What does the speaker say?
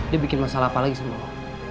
dia bikin masalah apa lagi semua